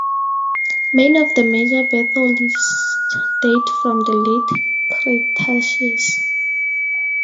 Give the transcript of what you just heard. Many of the major batholiths date from the late Cretaceous.